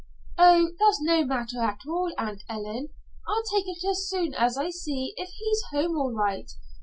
"Oh, that's no matter at all, Aunt Ellen. I'll take it as soon as I see if he's home all right.